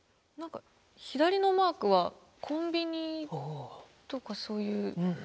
何か左のマークはコンビニとかそういう。